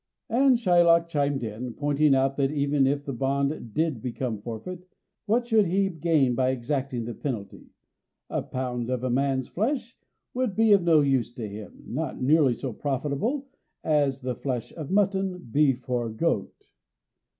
And Shylock chimed in, pointing out that even if the bond did become forfeit, what should he gain by exacting the penalty? A pound of man's flesh would be of no use to him not nearly so profitable as the flesh of mutton, beef, or goat.